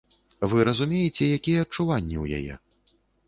Вы разумееце, якія адчуванні ў яе?